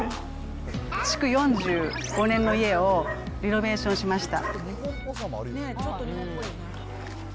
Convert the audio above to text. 築４５年の家をリノベーションしました。